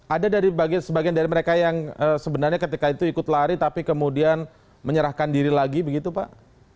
ada dari sebagian dari mereka yang sebenarnya ketika itu ikut lari tapi kemudian menyerahkan diri lagi begitu pak